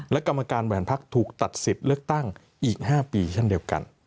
และกรรมการแหวนพักถูกตัดสิทธิ์เลือกตั้งอีก๕ปีเช่นเดียวกัน